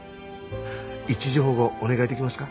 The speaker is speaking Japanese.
一時保護お願いできますか？